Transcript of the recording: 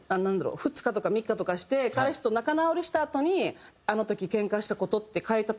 ２日とか３日とかして彼氏と仲直りしたあとにあの時けんかした事って書いたとしても。